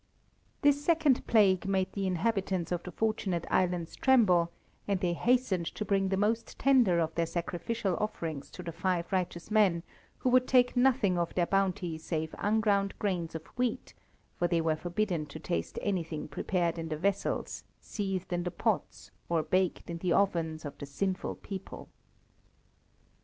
This second plague made the inhabitants of the Fortunate Islands tremble, and they hastened to bring the most tender of their sacrificial offerings to the five righteous men, who would take nothing of their bounty save unground grains of wheat, for they were forbidden to taste anything prepared in the vessels, seethed in the pots, or baked in the ovens of the sinful people.